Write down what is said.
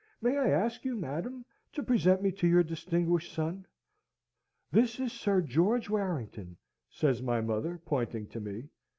"May I ask you, madam, to present me to your distinguished son?" "This is Sir George Warrington," says my mother, pointing to me.